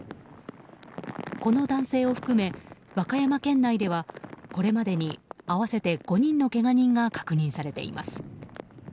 この男性を含め和歌山県内ではこれまでに合わせて５人のけが人が確認されています。